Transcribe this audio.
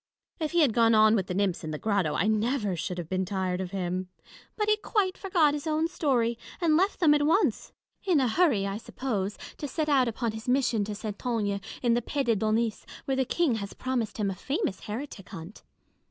If he had gone on with the nymphs in the grotto, I never should have been tired of him ; but he quite forgot his own story, and left them at once ; in a hurry (I suppose) to set out upon his mission to Saintonge in the pays de d'Aunis, where the King has promised him a famous heretic hunt.